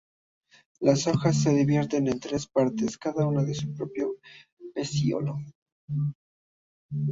Las hojas se dividen en tres partes, cada una con su propio pecíolo.